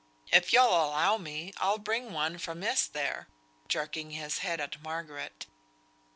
If yo'll allow me, I'll bring one for Miss there," jerking his head at Margaret.